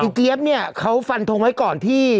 เจี๊ยบเนี่ยเขาฟันทงไว้ก่อนที่